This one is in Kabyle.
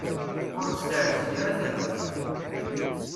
Ur t-terzi ara taluft.